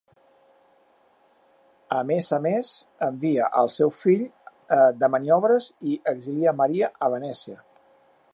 A més a més envia el seu fill de maniobres i exilia Maria a Venècia.